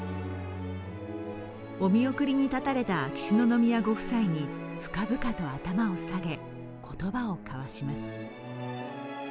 お見送りに立たれた秋篠宮ご夫妻に深々と頭を下げ、言葉を交わします。